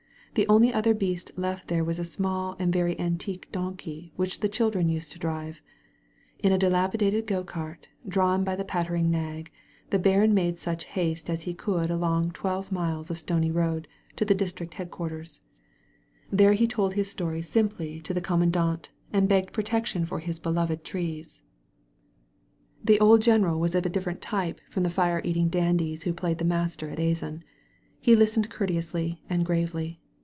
The only other beast left there was a small and very antique donkey which the children used to drive. In a dilapidated go cart, drawn by this pattering nag, the baron made such haste as he could along twelve miles of stony road to the district head quarters. There he told his story simply to the 59 THE VALLEY OF VISION commandant and begged protection for his beloved trees. The old general was of a different tyx>e from the fire eating dandies who played the master at Azan. He listened courteously and gravely.